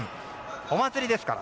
お祭りですから。